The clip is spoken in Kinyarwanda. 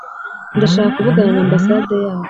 ndashaka kuvugana na ambasade yacu